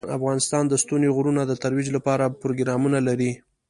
افغانستان د ستوني غرونه د ترویج لپاره پروګرامونه لري.